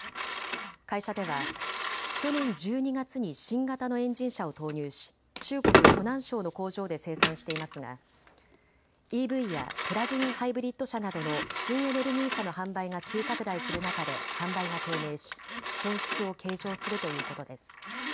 会社では去年１２月に新型のエンジン車を投入し中国・湖南省の工場で生産していますがＥＶやプラグインハイブリッド車などの新エネルギー車の販売が急拡大する中で販売が低迷し損失を計上するということです。